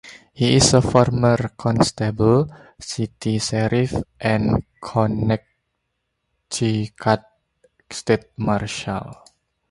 He is a former Constable, City Sheriff and Connecticut State Marshal.